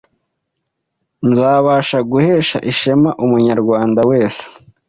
nzabasha guhesha ishema Umunyarwanda wese